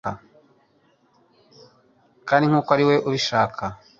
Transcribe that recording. Kandi nkuko ari we ubishaka